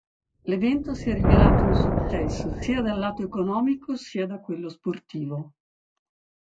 L'evento si è rivelato un successo sia dal lato economico sia da quello sportivo.